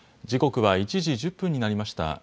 時刻は１時１０分になりました。